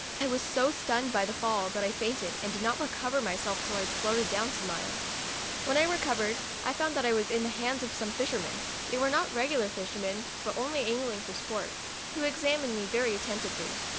I was so stunned by the fall that I fainted, and did not recover myself till I had floated some miles. When I recovered, I found that I was in the hands of some fishermen, (they were not regular fishermen, but only angling for sport,) who examined me very atten tively.